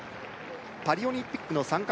パリオリンピックの参加